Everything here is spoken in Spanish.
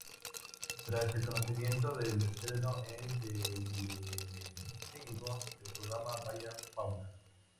Tras el conocimiento del estreno en Telecinco del programa "¡Vaya fauna!